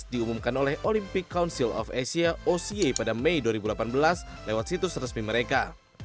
diumumkan oleh olympic council of asia oca pada mei dua ribu delapan belas lewat situs resmi mereka